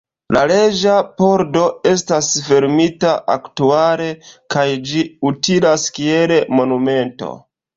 La Reĝa Pordo estas fermita aktuale kaj ĝi utilas kiel monumento.